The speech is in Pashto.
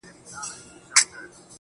خوښې غواړو غم نه غواړو عجيبه نه ده دا~